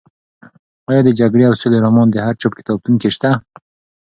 ایا د جګړې او سولې رومان د هر چا په کتابتون کې شته؟